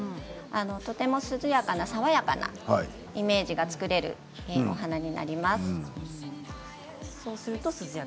とても涼やかな爽やかなイメージが作れる花になります。